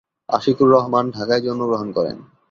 আশিকুর রহমান ঢাকায় জন্মগ্রহণ করেন।